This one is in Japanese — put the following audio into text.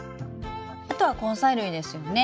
あとは根菜類ですよね。